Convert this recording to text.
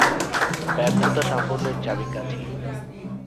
ব্যর্থতা সাফল্যের চাবিকাঠি।